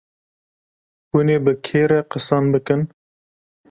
hûnê bi kê re qisan bikin.